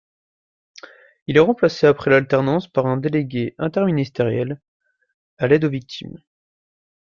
Il est remplacé après l'alternance par un délégué interministériel à l'aide aux victimes.